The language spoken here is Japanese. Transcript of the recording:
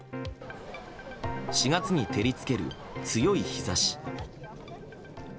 ４月に照り付ける強い日差し。